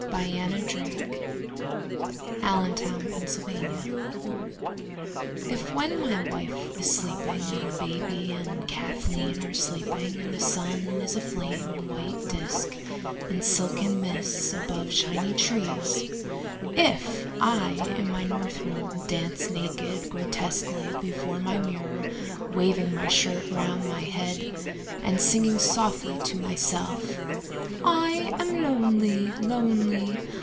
William Carlos Williams Danse Russe IF when my wife is sleeping and the baby and Kathleen are sleeping and the sun is a flame white disc in silken mists above shining trees, if I in my north room dance naked, grotesquely before my mirror waving my shirt round my head and singing softly to myself: "I am lonely, lonely.